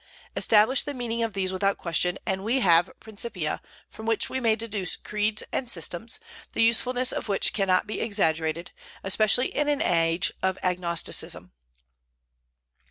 Establish the meaning of these without question, and we have principia from which we may deduce creeds and systems, the usefulness of which cannot be exaggerated, especially in an age of agnosticism.